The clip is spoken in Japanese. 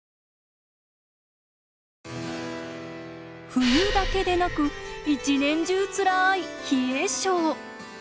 冬だけでなく一年中つらい冷え症。